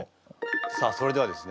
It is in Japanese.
さあそれではですね